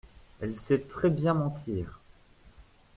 Elle sait très bien mentir.